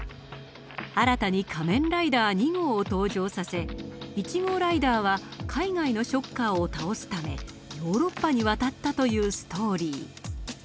新たに仮面ライダー２号を登場させ１号ライダーは海外のショッカーを倒すためヨーロッパに渡ったというストーリー。